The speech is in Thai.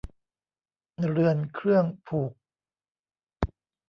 เรือนเครื่องผูก